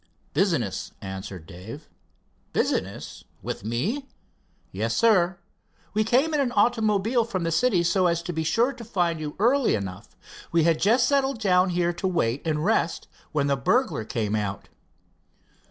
"Business," answered Dave. "Business with me?" "Yes, sir. We came in an automobile from the city, so as to be sure to find you early enough. We had just settled down here to wait and rest, when that burglar came out."